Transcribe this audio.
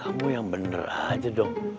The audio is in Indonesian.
kamu yang bener aja dong